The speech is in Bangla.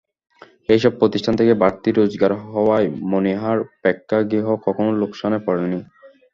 এসব প্রতিষ্ঠান থেকে বাড়তি রোজগার হওয়ায় মনিহার প্রেক্ষাগৃহ কখনো লোকসানে পড়েনি।